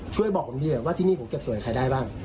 ช่วยบอกผมดีกว่าว่าที่นี่ผมเก็บสวยใครได้บ้าง